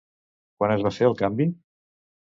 Quan es va fer el canvi?